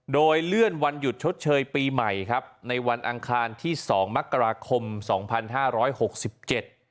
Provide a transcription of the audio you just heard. โดยเลื่อนวันหยุดชดเชยปีใหม่ครับในวันอังคารที่สองมกราคมสองพันห้าร้อยหกสิบเจ็ด